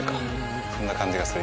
そんな感じがする